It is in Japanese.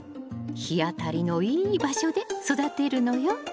日当たりのいい場所で育てるのよ。